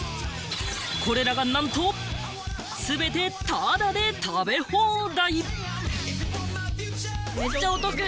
これらがなんと、全てタダで食べ放題。